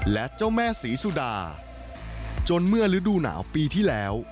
และเจ้าแม่ศรีสุดาจนเมื่อฤดูหนาวปีที่แล้ว